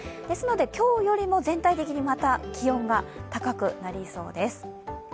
ですので今日よりも全体的にまた気温が高くなりそうです。